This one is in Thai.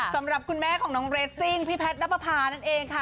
สำหรับคุณแม่ของน้องเรสซิ่งพี่แพทย์นับประพานั่นเองค่ะ